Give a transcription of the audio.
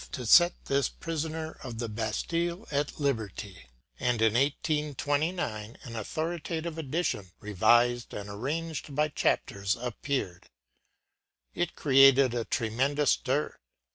to set this “prisoner of the Bastille” at liberty; and in 1829 an authoritative edition, revised and arranged by chapters, appeared. It created a tremendous stir.